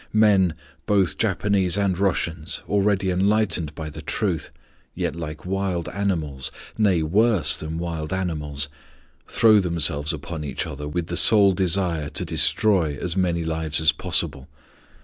Men, both Japanese and Russians, already enlightened by the truth, yet like wild animals, nay, worse than wild animals, throw themselves upon each other with the sole desire to destroy as many lives as possible.